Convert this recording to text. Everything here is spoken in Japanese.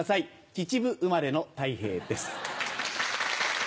秩父生まれのたい平です。